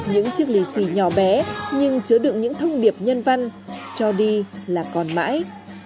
những chiếc lì xì nhỏ bé nhưng chứa đựng những thông điệp nhân văn cho đi là còn mãi